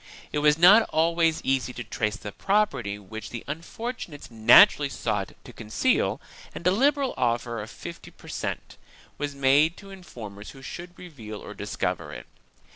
It was not always easy to trace the prop erty which the unfortunates naturally sought to conceal and a liberal offer of fifty per cent, was made to informers who should reveal or discover it.